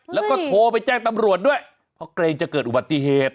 แล้วก็โทรไปแจ้งตำรวจด้วยเพราะเกรงจะเกิดอุบัติเหตุ